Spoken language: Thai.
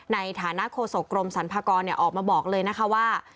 ในฐานะโฆษกรมสรรพากรออกมาบอกเลยนะคะว่า